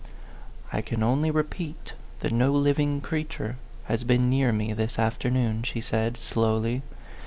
I can only repeat that no living creature has been near me this afternoon," she said, slowly.